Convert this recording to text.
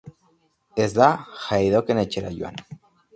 Ez da Haydocken etxera joan.